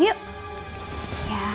aku mau ke rumah